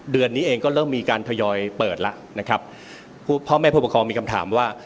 เดือนนี้เองก็เริ่มมีการทยอยเปิดแล้วนะครับผู้พ่อแม่ผู้ปกครองมีคำถามว่า